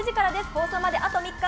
放送まであと３日。